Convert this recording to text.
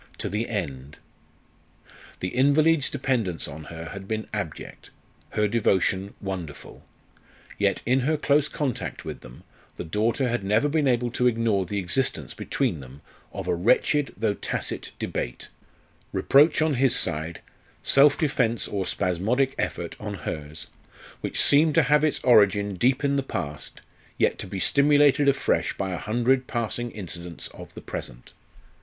to the end. The invalid's dependence on her had been abject, her devotion wonderful. Yet, in her close contact with them, the daughter had never been able to ignore the existence between them of a wretched though tacit debate reproach on his side, self defence or spasmodic effort on hers which seemed to have its origin deep in the past, yet to be stimulated afresh by a hundred passing incidents of the present.